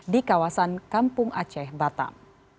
di kawasan kampung aceh batam